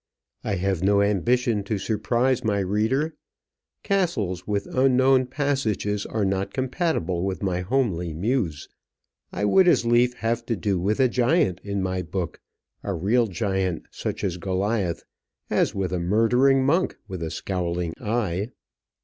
I have no ambition to surprise my reader. Castles with unknown passages are not compatible with my homely muse. I would as lief have to do with a giant in my book a real giant, such as Goliath as with a murdering monk with a scowling eye.